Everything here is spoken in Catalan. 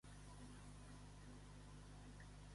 L'aglà tendre engreixa el ventre.